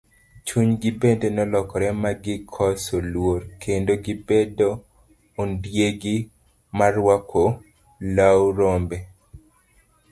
Chunygi bende nolokore ma gikoso luor, kendo gibedo ondiegi moruako lau rambo.